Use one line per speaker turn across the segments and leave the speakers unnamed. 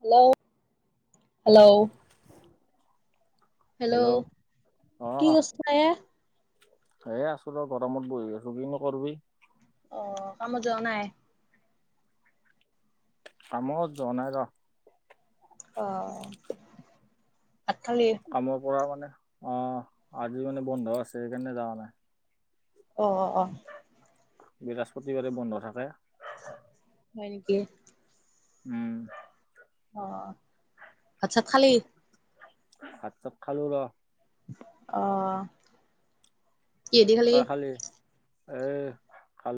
Hello hello hello কি কস্থা এ
এ আছো ৰ ঘৰমত বহি আছ কি নকৰবি
অ কামত যোৱা নাই
কামত যোৱা নাই গ
অ ভাত খালি?
কামৰ পৰা মানে অ আজি মানে বন্ধ আছে সেইকাৰণে যোৱা নাই
অ অ অ
বৃহস্পতিবাৰে বন্ধ থাকে
হয়নেকে
উম
অ আচ্ছা খালি
ভাত চব খালো ৰ
আহ কি এদি খালি
এ খাল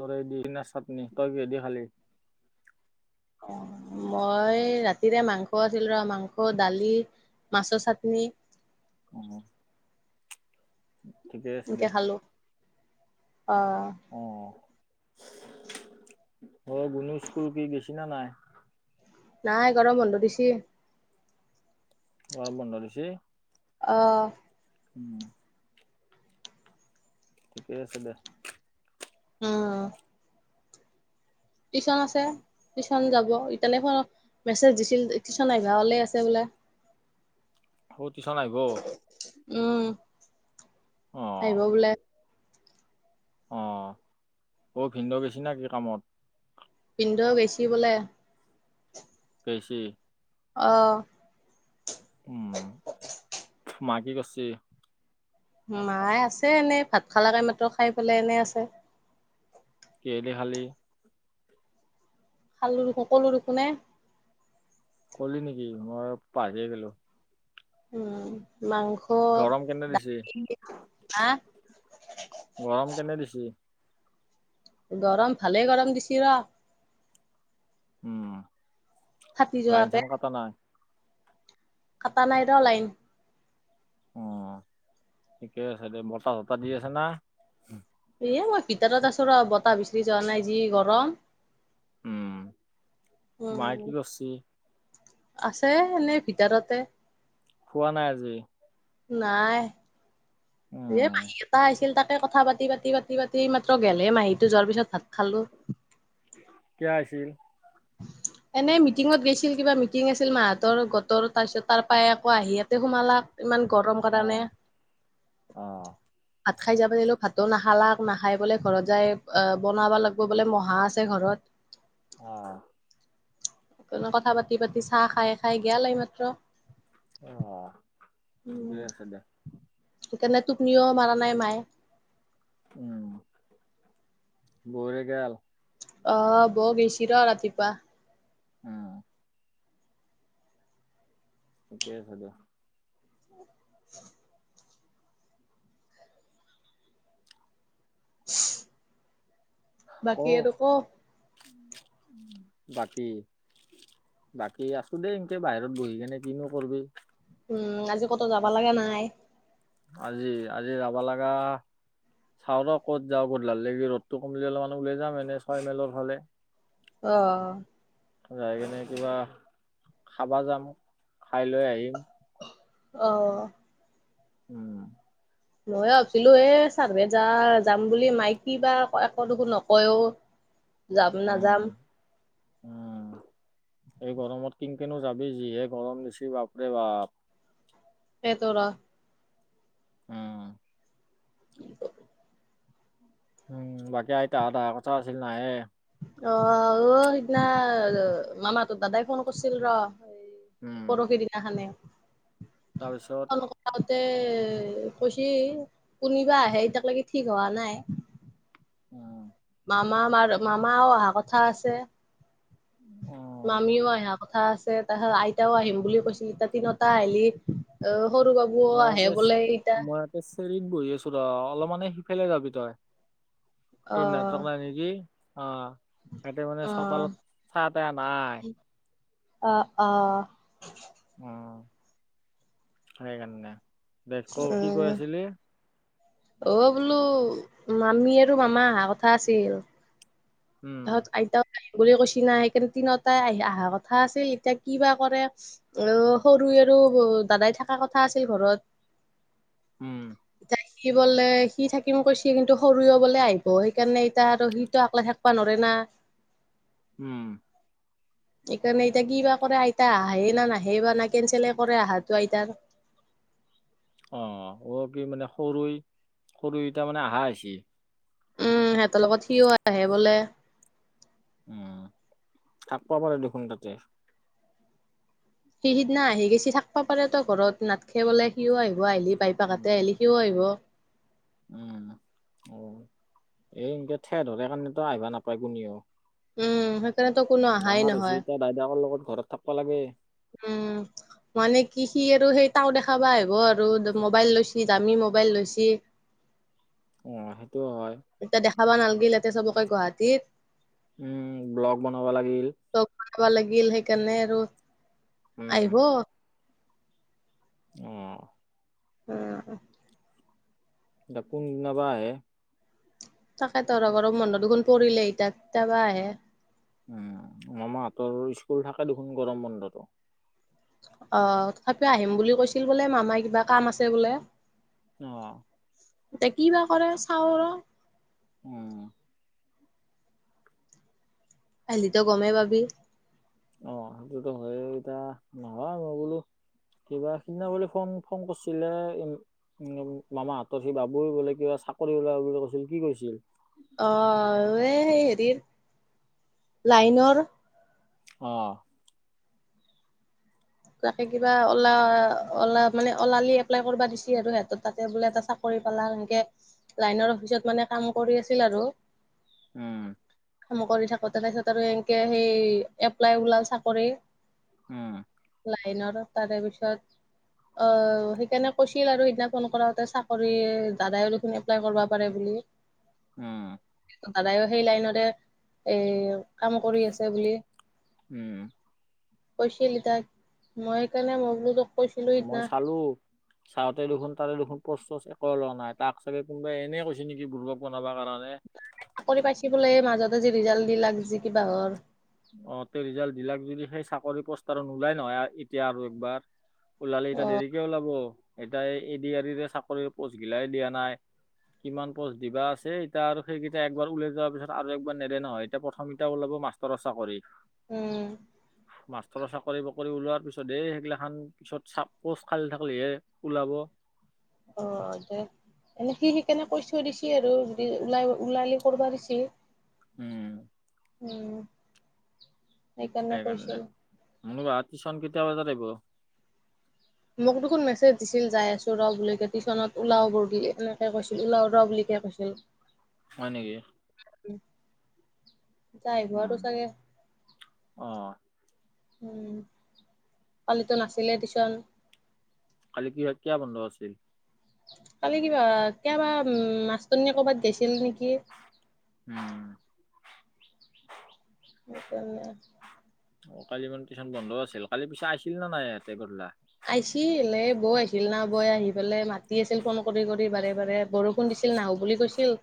দৰেই দি কিনা চাটনি তই কিদি খালি
অ মই ৰাতিৰে মাংস আছিলো ৰ মাংস দালি মাছ চাটনি
উম ঠিকে আছে দে
এনেকে খালো। অ
অ অ গুণজকুল কি গেছিনা নাই
নাই গৰম বন্ধ দিছি
অ বনালছেি
আহ
উম ঠিকেই আছে দে
অ টিশন আছে টিউশন যাব ইতিয়াল ফত মেছেজ দিছিল টিউশন আভলে আছে বোলে
অ কিিছ ন আহিব
উম আহিব বোলে
অ ব ভিন্দ বেছি নে কিি কামত
পিন্ধ বেছি বলে
কৈছ
আহ
উম ম কি কৰিছে
মায়ে আছে এনেই ভাত খালা কাই মাতো খাই পেলাই এনে আছে
কেলেি খালি
খালো খো কলো খো নে
কলি নেকি মই পাহিয়ে গলো
উম মাংস
গৰম কেনে দিছে
হা
গৰম কেনে দিছেি
গৰম ভালে গৰম দিছি ৰ
উম
ফাটি
লাইন চাম কটা নাই
কটাা নাই ৰ লাইন
অ ঠিকে আছে দে বতাহ চতাহ দি আছে না
এ মই ভিতাৰত আছো ৰ বতাহ বিচৰিি যোৱা নাই যি গৰম
উম মায়ে
উম,
কি কৰছি
আছে এনেই ভিতাৰতে
খোৱা নাই আজি
নাই এ
উম
মাহীক এটা আহিছিল তাক কথা পাতি পাতি পাতি পাতি মাত্ৰ গলেহ মাহীটো যোৱাৰ পিছত ভাত খালো
কিয় আছিল
উ এনেই মিটিঙত গৈছিল কিবা মিটিং আছিল মাহঁতৰ গটৰ তাৰপিছত তাৰ পই আকৌ আহি ইয়াতে সোমালাক ইমান গৰম
অ
কাৰণে
অ
ভাত খাই যাব লাগিলো ভাতো নাখালাক নাখাই বোলে ঘৰত যাই বনাব লাগিব বোলে মহা আছে ঘৰত
অ
কথা পাতি পাতি চাহ খাই খাই গেল এই মাত্ৰ
অ ঠিকেই আছে দে
সেইকাৰণে তটোপনিয়ৌ মাৰা নাই মায়ে
উম ভৰে গেল [inaudible]
অ ব গিছিৰ ৰাতিপুৱা
অ', ঠিকেই আছে দিয়া
[inaudible] [inaudible] বাকী এইটো ক
বাকী বাকী আছো দেই এনকে বাহিৰত বহি কিনো কৰবি।
উম আজি ক'তো যাব লাগা নাই?
আজি-আজি যাবা লাগা চাওঁ ৰ ক'ত যাওঁ ক'ত গধূলা লাগি ৰ'দটো কমিলে অলপমান ওলাই যাম এনেই ছয় মাইলৰ ফালে
অ',
যাই কেনে কিবা খাবা যাম খাই লৈ আহিম
অ',
উম
ময়ো ভাবিছিলো এহ চাৰভেট যা যাম বুলি মায়ে কিবা একো দেখোন নকয়। যাম
উম
নাযাম
উম এই গৰমত কিনকে নো যাবি যিহে গৰম দিচি বাপৰে বাপ
তাকেটো ৰহ
উম
[inaudible]
উম বাকী আইতাহত অহা কথা আছিল নাহে?
অ', -অ', সিদিনা মামাহতৰ দাদাই ফোন কৰিছিল ৰ
উম
হয় পৰহি দিনাখানে
তাৰপিছত
তে কৈছি কোনিবা আহে এতিয়াক লাগি ঠিক হোৱা নাই।
উম
মামা মাৰ মামাও অহা কথা আছে
অ
মামীও আহাক কথা আছে তাৰপিছত আইতাও আহিম বুলি কৈছিল তিনিওটা আহিলি অ', সৰু বাবু
মই
আহে
ইয়াতে
বোলে ইতা
মই ইয়াতে চেৰিত বহি আছো অলপমানে সিফালে যাবি তই
অ
তৰ নেটৱৰ্ক নাই নেকি অ', এতে মানে
অ
চতালত ছাঁ তাহ নাই।
অ', - অ',
উমসেইকাৰণে দে কও কি কৈ
উম
আছিলি
অ', বোলো মামী আৰু মামা আহা কথা আছিল
উম
তাৰপিছত আইতা বুলি কৈছি না সেইকাৰণে তিনিওটাই আহি অহা কথা আছিল এতিয়া কিবা কৰে অ', সৰু তুমি আৰু দাদাই থকা কথা আছিল ঘৰত
উম
এতিয়া সি বোলে সি থাকিম কৈছে কিন্তু সৰুও বোলে আহিব সেইকাৰণে এতিয়া আৰু সিটো আকলাই থাক থাকবা ধৰে নহয়
উম
সেইকাৰণে এতিয়া কি বা কৰে আইতা আহে না নাহে বা না কেনচেল কৰে আহাটো আইতাৰ [inaudible]
অ', অ', কি মানে সৰু সৰু ইটা মানে আহা হৈছে
উম সিহঁতৰ লগত সিও আহে বোলে
উম থাক পা পাৰে দেখোন তাতে
সি সিদিনা আহি গেছি থাকিব পাৰে ত ঘৰত নাথকে বোলে সিও আহিব আহিলে বাইপেকহঁতে
উম
আহিলি সিও আহিব
উম অ', এই এনকে ঠেহ ধৰে কাৰণেতো আহিবা নাপায় কোনেও
উম সেইকাৰণেতো কোনো আহাই
ডাঙৰ হৈছি
নহয়
এতিয়া দাইদাকৰ লগত ঘৰত থাকিবা লাগে
উম মানে কি সি আৰু সেই তাও দেখাবা আহিব আৰু মোবাইল লৈছ দামী মবাইল লৈছি
অ সেইটোও হয়
এতিয়া দেখাব নালাগিল ইয়াতে চবকে গুৱাহাটীত
উম ব্লগ বনাবা লাগিল
চব বনাবা লাগিল সেইকাৰণে আৰু আহিব
আহ
উম
দাপোন নবা আহে
তাকে তৰ ঘৰম বন্ধ দুখনোন পৰিলেহি তাত তাৰাপা আহে
উম মামাহঁতৰ স্কুল থাকে দেখোন গৰম বন্ধতো
অ তথাপিও আহিম বুলি কৈছিল বোলে মামাই কিবা কাম আছে বোলে
আহ
এতিয়া কি বাা কৰে চাওঁ আৰু
উম
পেলিটো গম ভাবি
অ সেইটোতো হয় এতিয়া নহ মই বোলো কিবা সিদিনা বুলি ফোন ফোন কৰিছিলে উ মামাৰ হাতত সি বাবু বোলে কিবা চাকৰি ওলাব বুলি কৈছিল কি কৈছিল
অ এই সেই হেৰিৰ লাইনৰ
আহ
তাকে কিবা অলা অলা মানে ওলালি এপ্লাই কৰিবা দিছেি আৰু সিহঁত তাতে বোলে এটা চাকৰি পালা সেনেকে লাইনৰ অফিচত মানে কাম কৰি আছিল আৰু
উম
কাম কৰি থাকো তাৰপিছত আৰু এনেকে সেই এপ্লাই ওলাল চাকৰি
উম
লাইনৰ তাৰে পিছত অ সেইকাৰণে কৈছিল আৰু সিদিনা ফোন কৰাতে চাকৰি দাদাইলখিনি এপ্লাই কৰিব পাৰে বুলি উ
উম
দাদায়ও সেই লাইনতে এ কাম কৰি আছে বুলি
উম
কৈছিলি তাক মই সেইকাৰণে মই বোলোতোখ
মই চালো চাওঁতে দেখোন তাতে দেখোন প্ৰশ একো লোৱা নাই তাক চাগে কোনোবাই এনে কৈছে নেকি বুব প নাবা কাৰণে
চাকৰি পাইছ বলে মাজতে আজি ৰিজাল্ট দি লাক যি কিবা হ
অ তে ৰিজাল্ট দিলাক যদি সেই চাকৰি পষ্টাৰত নোলাই নহয় এতিয়া আৰু একবাৰ ওলালে এতিয়া
অ
দেৰিকে ওলাব এাই এডৰে চাকৰি পোষ্টগিলাই দিয়া নাই কিমান পচ দিবা আছে এতিয়া আৰু সেইকেইটা একবাৰ উওলাই যোৱাৰ পিছত আৰু একবাৰ নেদে নহয় এতিয়া প্ৰথম এটা ওলাব মা তৰচা কৰি
উম
মাষ্টৰৰ চাকৰি বাকৰি ওলোৱাৰ পিছত এই সেইগিলা খান পিছত চ পোষ্ট খাল থাকিলেহে ওলাব
অ দে এনে সি সেইিকনে কৈ থৈ দিছেি আৰু যদি ওলাই ওলালি কৰা দিছেি
উম
উম
সেইকাৰণে ম ৰাতি চন কেেইতিয়া বজাত আহিব
মোক দেখোন মেছেজ দিছিল যাই আছো ৰ বুল কে টিউশন লাও বৰ্গী এনেকে কৈছিল ওলও ৰ বুলি পাছে
হয় নেকি
যাইব
উম
আৰু চাগে।
অ
উম, কালিতো নাছিলে টিউশ্যন।
কালি কি হয়, কিয় বন্ধ আছিল?
কালি কিবা কেতিয়াবা, মাষ্টৰ্ণীয়ে কৰ'বাত গেছিল নেকি।
উম।
সেইকাৰণে
অ', কালি মানে টিউচন বন্ধ আছিল, কালি পিছে আছিল নে নাই ইয়াতে গধুলা?
আহিছিল এই বৌ আহিল না, বৌৱে আহি পেলাই মাতি আছিল ফোন কৰি কৰি বাৰে বাৰে, বৰষ ষুণ দিছিল, নাহো বুলি কৈছিল,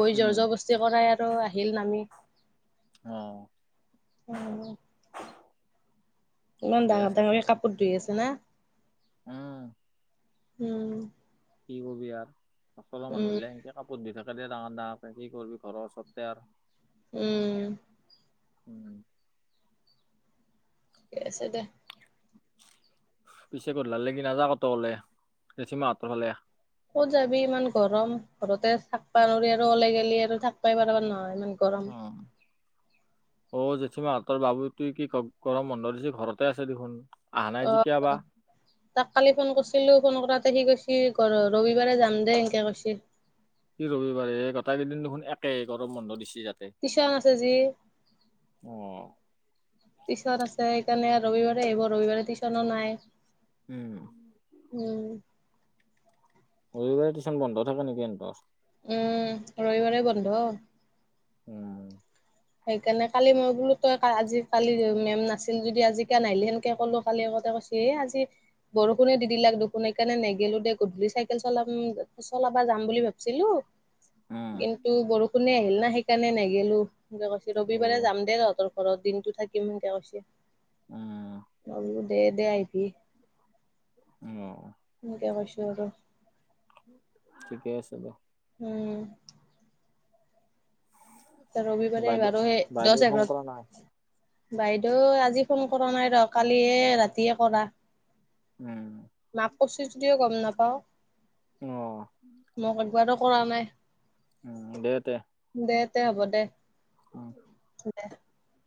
বৌই জৰ
উম
জৰ কৰ্চি আৰু কৰাই আৰু আহিল নামি
অ'।
উম। ইমান
ঠিকে
ডাঙৰ
আছে দে
ডাঙৰকে কাপোৰ ধুই আছে না।
উম।
উম।
কি কবি আৰু, আচলৰ মানুহ
উম
বিলাক এনেকে কাপোৰ ধুই থাক ডাঙৰ ডাঙৰকে কি কৰিবি, ঘৰৰ ওচৰতে আৰু।
উম।
উম।
এছে দে।
পিছে গধুলালে কি নাযাৱ কি ক'তো ওলাই, [unintelligible] হঁতৰ ফালে।
ক'ত যাবি ইমান গৰম, ঘৰতে থাকবা নোৱাৰি আৰু, ওলাই গেলে আৰু থাকবাই পাৰা নহয় আৰু ইমান গৰম
উম। অ', জেঠীমাহঁতৰ বাবুটুই কি গৰম বন্ধ দিছি, ঘৰতে আছে দেখোন। আহা নাই যেতিয়া বা
অ', তাক কালি ফোন কৰিছিলো ফোন কৰাত সি কৈছি ঘৰ ৰবিবাৰে যাম দে, এনকে কৈছি।
কি ৰবিবাৰে এই, গটাই কেইদিন দেখোন একে গৰম বন্ধ দিছ
টিউচন আছে যি,
অ
টিউচন আছে সেইকাৰণে ৰবিবাৰে আহিব, ৰবিবাৰে টিউচনো নাই।
উম।
উম।
ৰবিবাৰে টিউশ্যন বন্ধ থাকে নেকি এহঁতৰ?
উম, ৰবিবাৰে বন্ধ।
উম।
সেইকাৰণে কালি মই বোলো তই আজি কালি মেম নাছিল যদি আজি কিয় নাহিলি, সেনকে ক'লো কালি আ কৈছে, আজি বৰষুণে দি দিলাক দুখোন সেকাৰণে নেগেলো দে, গধূলি চাইকেল চলাম-চলাবা যাম বুলি ভাবিছিলো
উম
কিন্তু বৰষুণে আহিল না, সেইকাৰণে নেগেলো, ৰবিবাৰে
অ'
যাম দে তহঁতৰ ঘৰত দিনটো থাকিম সেনকে কৈছে,
উম,
[inaudible] সে দে আহিবি।
উম অ'।
সেনেকে কৈছে আৰু।
ঠিকেই আছে দে।
উম। তে ৰবি বাৰে
বাইদেউ
বাৰু, সেই
বাইদেউ
দচ
ফোন
এঘাৰ
কৰা নাই?
বাইদেউৱে আজি ফোন কৰা নাই ৰ, কালিয়ে ৰাতিয়ে কৰা।
উম।
মাক কৰিছে যদিও গম নাপাওঁ,
অ'
মোক একবাৰো কৰা নাই।
উম, দে তে।
দে হ'ব দে।
উম।
[inaudible]